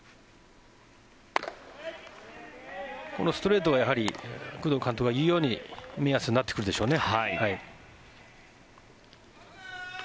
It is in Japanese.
このストレートが工藤監督が言うように目安になってくるでしょうね。